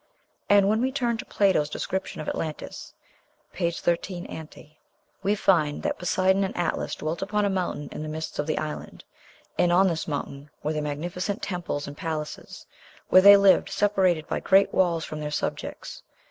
And when we turn to Plato's description of Atlantis (p. 13, ante) we find that Poseidon and Atlas dwelt upon a mountain in the midst of the island; and on this mountain were their magnificent temples and palaces, where they lived, separated by great walls from their subjects.